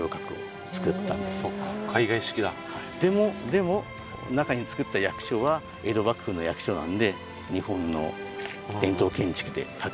でも中につくった役所は江戸幕府の役所なんで日本の伝統建築で建ててるという。